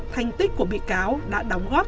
thành tích của bị cáo đã đóng góp